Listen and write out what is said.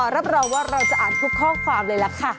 รับรองว่าเราจะอ่านทุกข้อความเลยล่ะค่ะ